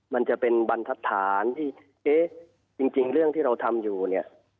มันจะเป็นบรรทัศนที่เอ๊ะจริงเรื่องที่เราทำอยู่เนี่ย